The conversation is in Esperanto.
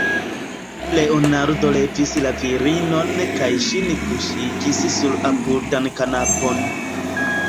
Leonardo levis la virinon kaj ŝin kuŝigis sur apudan kanapon.